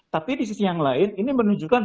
tapi di sisi yang lain ini menunjukkan